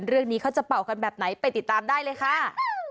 เรื่องนี้เขาจะเป่ากันแบบไหนไปติดตามได้เลยค่ะ